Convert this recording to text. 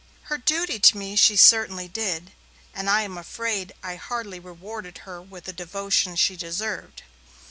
Her duty to me she certainly did, and I am afraid I hardly rewarded her with the devotion she deserved.